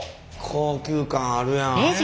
高級感あるやん。